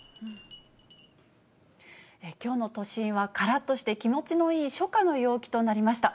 きょうの都心はからっとして、気持ちのいい初夏の陽気となりました。